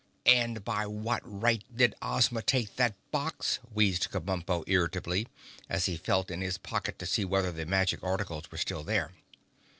"And by what right did Ozma take that box?" wheezed Kabumpo irritably, as he felt in his pocket to see whether the magic articles were still there.